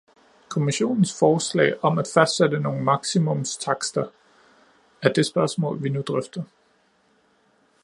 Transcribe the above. Kommissionens forslag om at fastsætte nogle maksimumstakster er det spørgsmål, vi nu drøfter.